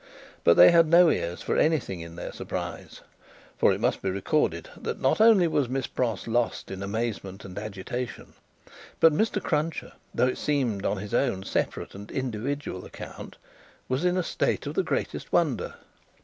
But, they had no ears for anything in their surprise. For, it must be recorded, that not only was Miss Pross lost in amazement and agitation, but, Mr. Cruncher though it seemed on his own separate and individual account was in a state of the greatest wonder.